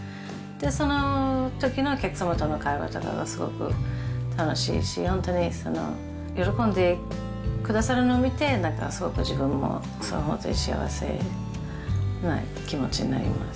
そのときのお客さまとの会話とかがすごく楽しいし、本当に喜んでくださるのを見て、なんか、すごく自分もすごく幸せな気持ちになります。